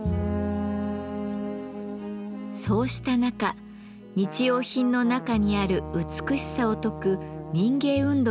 そうした中日用品の中にある美しさを説く民芸運動が起こりました。